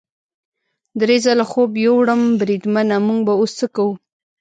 درې ځله خوب یووړم، بریدمنه موږ به اوس څه کوو؟